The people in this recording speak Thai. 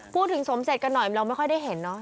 สมเสร็จกันหน่อยเราไม่ค่อยได้เห็นเนอะ